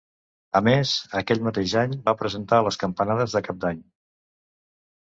A més aquell mateix any va presentar les Campanades de cap d'any.